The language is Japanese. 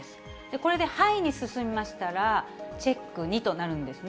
これではいに進みましたら、チェック２となるんですね。